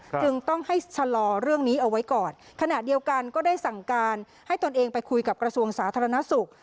จึงต้องให้ชะลอเรื่องนี้เอาไว้ก่อนขณะเดียวกันก็ได้สั่งการให้ตนเองไปคุยกับกระทรวงสาธารณสุข